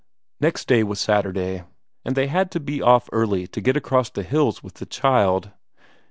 Next day was Saturday, and they had to be off early to get across the hills with the child.